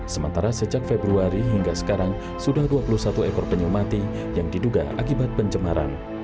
sementara sejak februari hingga sekarang sudah dua puluh satu ekor penyu mati yang diduga akibat pencemaran